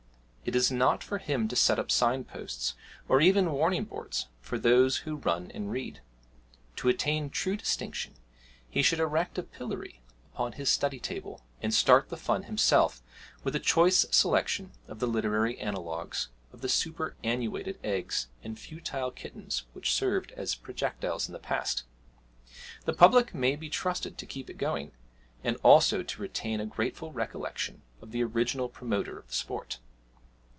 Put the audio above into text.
It is not for him to set up sign posts, or even warning boards, for those who run and read. To attain true distinction he should erect a pillory upon his study table, and start the fun himself with a choice selection of the literary analogues of the superannuated eggs and futile kittens which served as projectiles in the past. The public may be trusted to keep it going, and also to retain a grateful recollection of the original promoter of the sport.